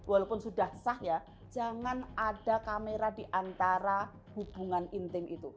walaupun sudah sah ya jangan ada kamera di antara hubungan intim itu